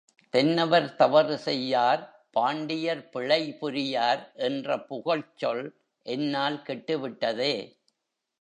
தென்னவர் தவறு செய்யார் பாண்டியர் பிழை புரியார் என்ற புகழ்ச்சொல் என்னால் கெட்டுவிட்டதே!